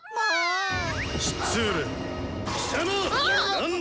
何だ